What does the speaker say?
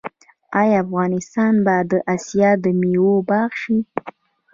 آیا افغانستان به د اسیا د میوو باغ شي؟